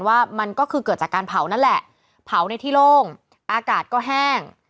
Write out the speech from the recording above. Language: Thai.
ว่ามันก็คือเกิดจากการเผานั่นแหละเผาในที่โล่งอากาศก็แห้ง